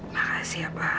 makasih ya pa